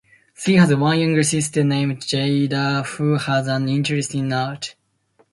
She has one younger sister named Jayda who has an interest in art.